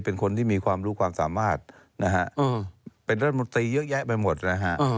เป็นคนที่มีความรู้ความสามารถนะฮะเป็นรัฐมนตรีเยอะแยะไปหมดนะฮะ